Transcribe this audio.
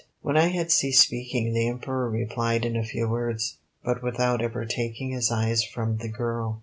When I had ceased speaking the Emperor replied in a few words, but without ever taking his eyes from the girl.